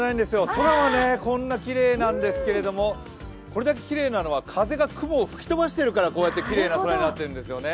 空はこんなきれいなんですけどこれだけきれいなのは風が雲を吹き飛ばしているからこれだけきれいになっているんですよね。